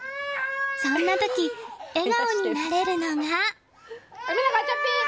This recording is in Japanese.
そんな時、笑顔になれるのが。